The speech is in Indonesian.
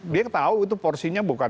dia tahu itu porsinya bukan